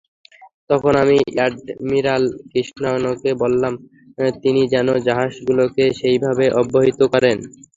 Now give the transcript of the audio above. তখন আমি অ্যাডমিরাল কৃষ্ণানকে বললাম, তিনি যেন জাহাজগুলোকে সেইভাবে অবহিত করেন।